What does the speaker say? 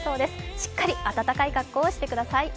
しっかり暖かい格好をしてください。